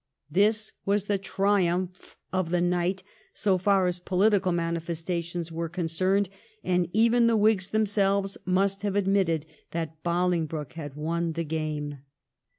This was the triumph of the night, so far as political manifestations were concerned, and even the Whigs themselves must have admitted that Bolingbroke had won the game.